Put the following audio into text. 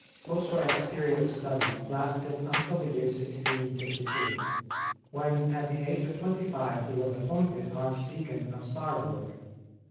Bossuet's period of study lasted until the year 1652, when at the age of twenty five he was appointed Archdeacon of Sarrebourg.